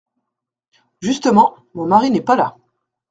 Justement, mon mari n’est pas là.